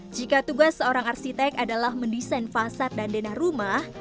jika tugas seorang arsitek adalah mendesain fasad dan denah rumah